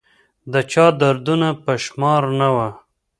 د چا دردونه په شمار نه وه